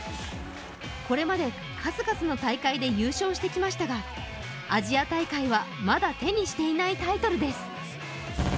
これまで数々の大会で優勝してきましたがアジア大会は、まだ手にしていないタイトルです。